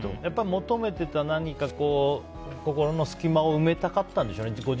求めていた、心の隙間を埋めたかったんでしょうね